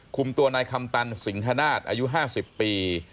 คุมตัวนายคำตันสิงธนาศอายุ๕๐ปี